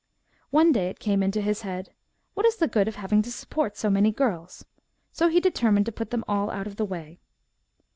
One day it came into his head :* What is the good of having to support so many girls ?' so he determined to put them all out of the way.